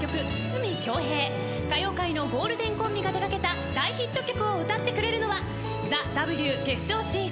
歌謡界のゴールデンコンビが手掛けた大ヒット曲を歌ってくれるのは『ＴＨＥＷ』決勝進出